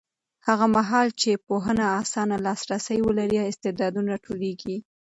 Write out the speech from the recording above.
هغه مهال چې پوهنه اسانه لاسرسی ولري، استعدادونه راټوکېږي.